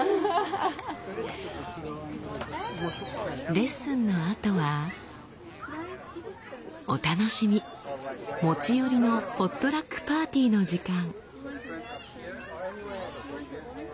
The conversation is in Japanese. レッスンのあとはお楽しみ持ち寄りのポットラックパーティーの時間。